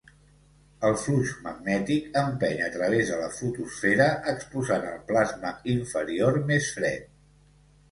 El flux magnètic empeny a través de la fotosfera, exposant el plasma inferior més fred.